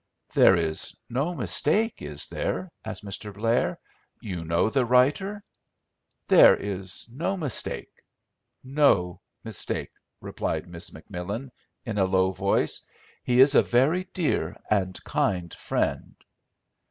"There is no mistake, is there?" asked Mr. Blair. "You know the writer." "There is no mistake—no mistake," replied Miss McMillan in a low voice, "he is a very dear and kind friend."